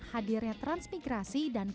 hadirnya transmigrasi dan kelapa sawit